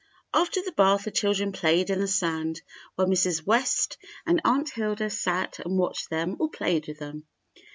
After the bath the children played in the sand, while Mrs. West and Aunt Hilda sat and watched them or played with them.